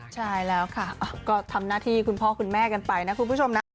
ใช่แล้วค่ะก็ทำหน้าที่คุณพ่อคุณแม่กันไปนะคุณผู้ชมนะ